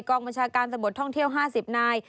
กองบัญชาการสมบวนท่องเที่ยว๕๐นาย